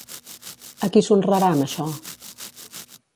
A qui s'honrarà amb això?